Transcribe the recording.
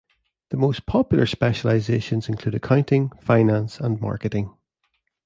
The most popular specializations include Accounting, Finance and Marketing.